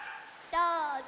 どうぞ！